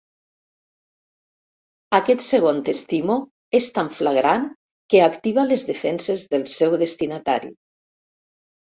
Aquest segon t'estimo és tan flagrant que activa les defenses del seu destinatari.